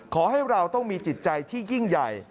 ขอให้เราต้องมีจิตใจที่ยิ่งใหญ่